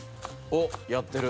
おっやってる。